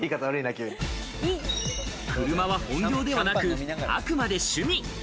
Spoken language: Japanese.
車は本業ではなく、あくまで趣味。